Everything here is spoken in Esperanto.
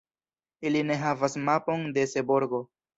Ili ne havas mapon de Seborgo.